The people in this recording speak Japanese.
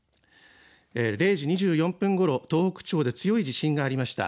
０時２４分ごろ、東北地方で強い地震がありました。